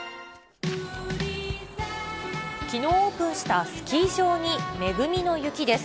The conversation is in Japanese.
きのう、オープンしたスキー場に恵みの雪です。